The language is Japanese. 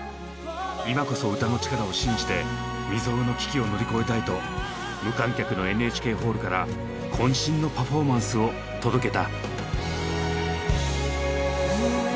今こそ歌の力を信じて未曽有の危機を乗り越えたいと無観客のＮＨＫホールから渾身のパフォーマンスを届けた。